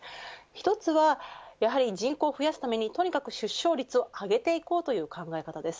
１つはやはり人口を増やすためにとにかく出生率を上げていこうという考え方です。